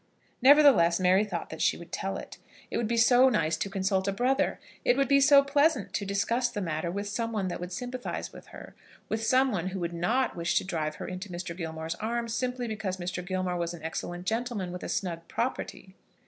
Nevertheless Mary thought that she would tell it. It would be so nice to consult a brother! It would be so pleasant to discuss the matter with some one that would sympathise with her, with some one who would not wish to drive her into Mr. Gilmore's arms simply because Mr. Gilmore was an excellent gentleman, with a snug property!